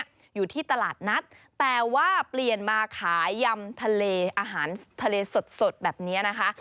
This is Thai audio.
อยู่ที่ตลาดนัดแต่ว่าเปลี่ยนมาขายยำทะเลอาหารทะเลสดสดแบบนี้นะคะ